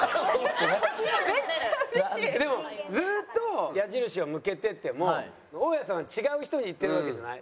でもずっと矢印を向けてても大家さんは違う人にいってるわけじゃない？